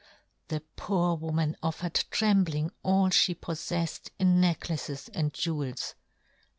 The poor woman offered trembling all fhe pofTefled in neck laces and jewels.